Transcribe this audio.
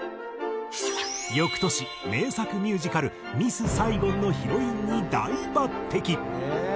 翌年名作ミュージカル『ミス・サイゴン』のヒロインに大抜擢！